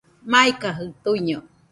Maikajɨ tuiño